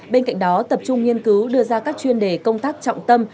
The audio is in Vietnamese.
bên cạnh đó tập trung nghiên cứu đưa ra các chuyên đề công tác trọng tâm